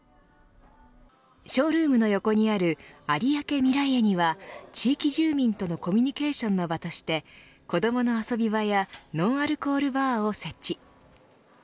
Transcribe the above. ショールームの横にあるＡｒｉａｋｅＭｉｒａｉｅには地域住民とのコミュニケーションの場として子どもの遊び場やノンアルコールバーを設置。